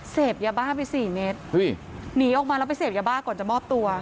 เสพยาบ้าไปสี่เมตรหนีออกมาแล้วไปเสพยาบ้าก่อนจะมอบตัว